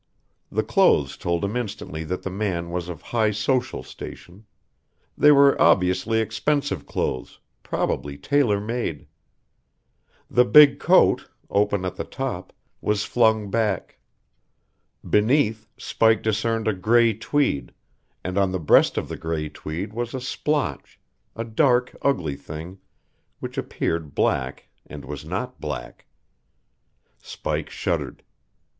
The clothes told him instantly that the man was of high social station. They were obviously expensive clothes, probably tailor made. The big coat, open at the top, was flung back. Beneath, Spike discerned a gray tweed and on the breast of the gray tweed was a splotch, a dark, ugly thing which appeared black and was not black. Spike shuddered.